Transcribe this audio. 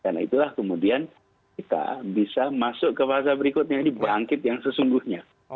karena itulah kemudian kita bisa masuk ke fase berikutnya ini bangkit yang sesungguhnya